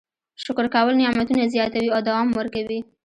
شکر کول نعمتونه زیاتوي او دوام ورکوي.